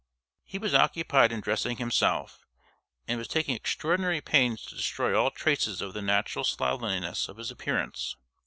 He was occupied in dressing himself, and was taking extraordinary pains to destroy all traces of the natural slovenliness of his appearance.